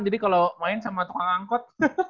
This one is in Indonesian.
jadi kalau main sama tukang angkut